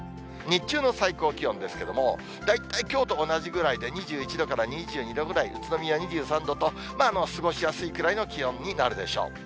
日中の最高気温ですけれども、大体きょうと同じぐらいで２１度から２２度ぐらい、宇都宮２３度と、過ごしやすいくらいの気温になるでしょう。